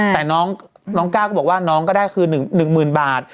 แต่น้องก้าวก็บอกว่าน้องก็ได้คือ๑๐๐๐บาท